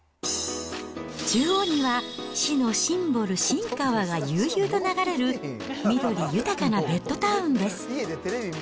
中央には市のシンボル、新川が悠々と流れる緑豊かなベッドタウンです。